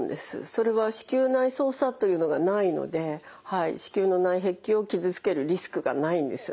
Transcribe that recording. それは子宮内操作というのがないので子宮の内壁を傷つけるリスクがないんですね。